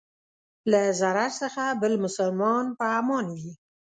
له ضرر څخه بل مسلمان په امان وي.